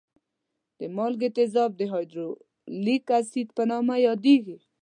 د مالګي تیزاب د هایدروکلوریک اسید په نامه یادېږي.